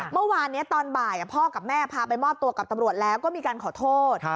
เมื่อวานนี้ตอนบ่ายพ่อกับแม่พาไปมอบตัวกับตำรวจแล้วก็มีการขอโทษ